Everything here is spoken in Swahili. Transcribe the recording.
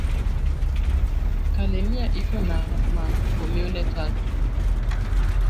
Kalemie iko na ma comune tatu